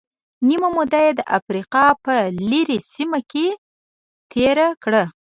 نیمه موده یې د افریقا په لرې سیمه کې تېره کړه.